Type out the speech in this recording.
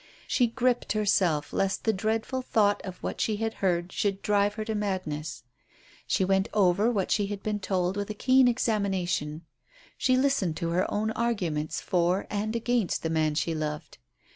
She gripped herself lest the dreadful thought of what she had heard should drive her to madness. She went over what she had been told with a keen examination. She listened to her own arguments for and against the man she loved.